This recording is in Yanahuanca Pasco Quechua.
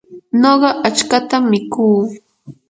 nuqa achkatam mikuu.